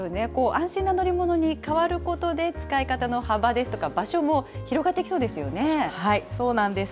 安心な乗り物に変わることで、使い方の幅ですとか場所も広がっていきそうですそうなんです。